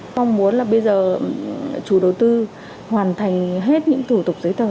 mong muốn là bây giờ chủ đầu tư hoàn thành hết những thủ tục giấy tờ